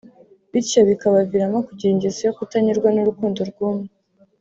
bityo bikabaviramo kugira ingeso yo kutanyurwa n’urukundo rw’umwe